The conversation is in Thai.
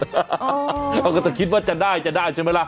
เขาก็จะคิดว่าจะได้จะได้ใช่ไหมล่ะ